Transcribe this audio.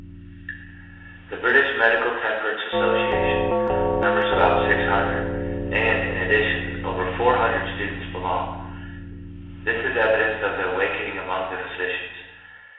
The British Medical Temperance Association numbers about six hundred, and, in addition, over four hundred students belong ; this is evidence of the awakening among the physicians.